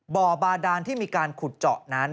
บ่อบาดานที่มีการขุดเจาะนั้น